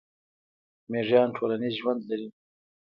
میږیان ټولنیز ژوند لري